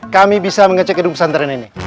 kami bisa mengecek gedung pesantren ini